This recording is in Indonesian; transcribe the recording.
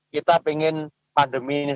kita ingin pandemi ini